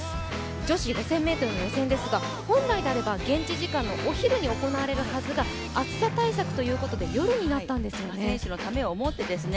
女子５０００ｍの予選ですが、本来であれば現地時間のお昼に行われるはずが暑さ対策で選手のためを思ってですね。